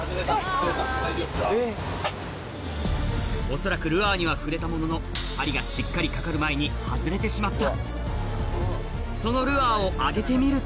恐らくルアーには触れたものの針がしっかりかかる前に外れてしまった